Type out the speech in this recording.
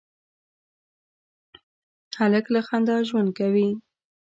هلک له خندا ژوند کوي.